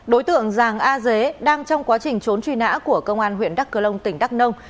đối tượng giàng a dế đang trong quá trình trốn truy nã của công an huyện đắk cơ long tỉnh đắk nông